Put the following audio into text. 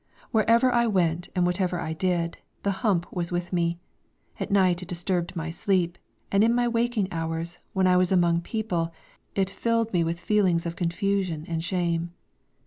Wherever I went and whatever I did, the hump was with me; at night it disturbed my sleep, and in my waking hours, when I was among people, it filled me with feelings of confusion and shame.